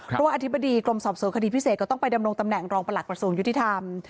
เพราะว่าอธิบดีกรมสอบสวนคดีพิเศษก็ต้องไปดำรงตำแหน่งรองประหลักกระทรวงยุติธรรม